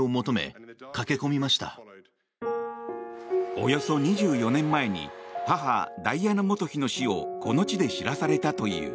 およそ２４年前に母ダイアナ元妃の死をこの地で知らされたという。